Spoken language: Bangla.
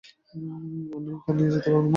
আমি একা নিয়ে যেতে পারবো না।